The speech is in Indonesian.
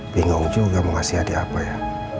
bingung juga mau kasih hadiah apa ya